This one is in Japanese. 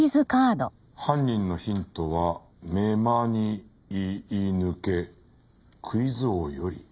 「犯人のヒントは“めまにいいぬけ”」「クイズ王より」